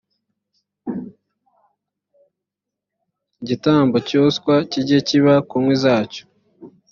igitambo cyoswa kijye kiba ku nkwi zacyo